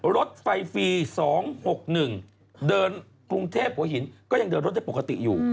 รถไฟฟรี๒๖๑เดินกรุงเทพหัวหินก็ยังเดินรถได้ปกติอยู่